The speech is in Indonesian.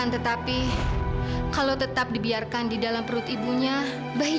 tetapi nanti kalau bayi tipu someone lain bayi akan jujur bahwa bayi sudahretch